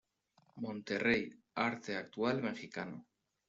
Monterrey: Arte Actual Mexicano.